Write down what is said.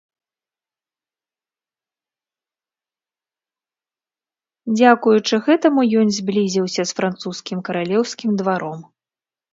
Дзякуючы гэтаму ён зблізіўся з французскім каралеўскім дваром.